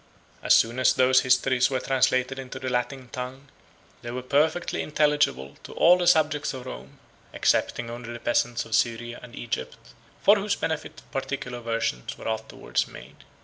153 As soon as those histories were translated into the Latin tongue, they were perfectly intelligible to all the subjects of Rome, excepting only to the peasants of Syria and Egypt, for whose benefit particular versions were afterwards made.